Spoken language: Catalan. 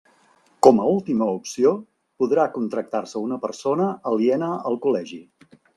Com a última opció, podrà contractar-se una persona aliena al col·legi.